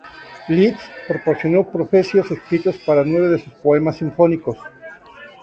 Liszt proporcionó prefacios escritos para nueve de sus poemas sinfónicos.